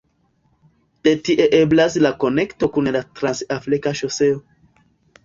De tie eblas la konekto kun la "Trans-Afrika Ŝoseo".